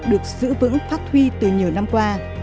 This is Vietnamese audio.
được giữ vững phát huy từ nhiều năm qua